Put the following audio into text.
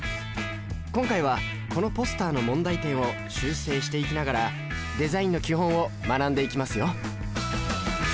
今回はこのポスターの問題点を修正していきながらデザインの基本を学んでいきますよ